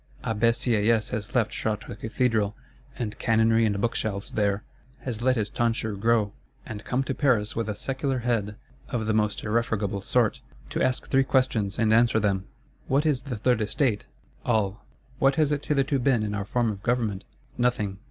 Abbé Sieyes has left Chartres Cathedral, and canonry and book shelves there; has let his tonsure grow, and come to Paris with a secular head, of the most irrefragable sort, to ask three questions, and answer them: _What is the Third Estate? All.—What has it hitherto been in our form of government? Nothing.